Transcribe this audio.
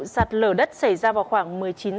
sạt lở đất xảy ra vào khoảng một mươi chín h